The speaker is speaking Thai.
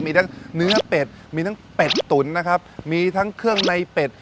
มีทั้งเนื้อเป็ดมีทั้งเป็ดตุ๋นนะครับมีทั้งเครื่องในเป็ด